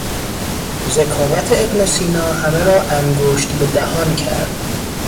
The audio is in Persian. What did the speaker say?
ذکاوت ابن سینا همه را انگشت به دهان کرد.